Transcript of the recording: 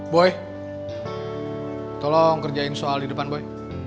boy tolong kerjain soal di depan boy